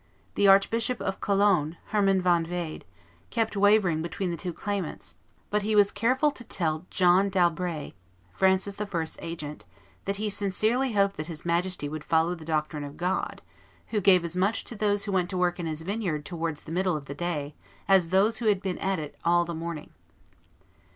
The Archbishop of Cologne, Hermann von Wied, kept wavering between the two claimants; but he was careful to tell John d'Albret, Francis I.'s agent, that "he sincerely hoped that his Majesty would follow the doctrine of God, who gave as much to those who went to work in His vineyard towards the middle of the day as to those who had been at it all the morning."